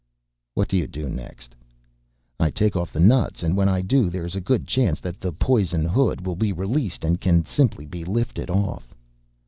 "What do you do next?" "I take off the nuts and when I do there is a good chance that the poison hood will be released and can simply be lifted off."